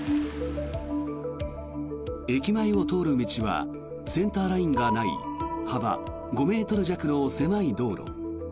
駅前を通る道はセンターラインがない幅５ｍ弱の狭い道路。